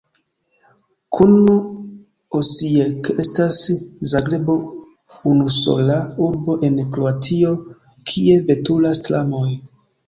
Kun Osijek estas Zagrebo unusola urbo en Kroatio, kie veturas tramoj.